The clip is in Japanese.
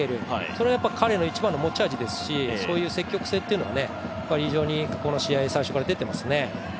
それはやっぱり彼の一番の持ち味ですし、そういう積極性がこの試合最初から出てますね。